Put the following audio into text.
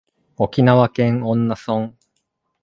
沖縄県恩納村